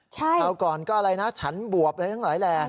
ใช่คราวก่อนก็อะไรนะฉันบวบหลายแหละ